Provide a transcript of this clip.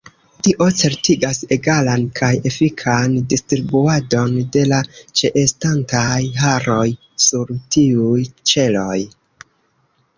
Tio certigas egalan kaj efikan distribuadon de la ĉeestantaj haroj sur tiuj ĉeloj.